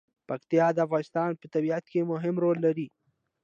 پکتیا د افغانستان په طبیعت کې مهم رول لري.